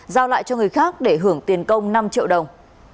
giao lại cho người khác để hưởng tiền công năm triệu đồng